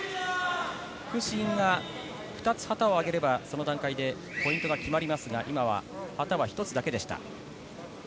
副審が２つ旗を上げれば、その段階でポイントが決まりますが今は旗は一つだけでした。